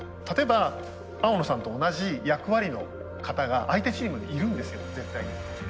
例えば青野さんと同じ役割の方が相手チームにいるんですよ絶対に。